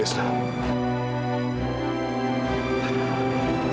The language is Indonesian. terima kasih wisnu